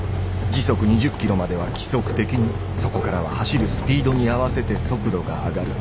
時速２０ｋｍまでは規則的にそこからは走るスピードに合わせて速度が上がる。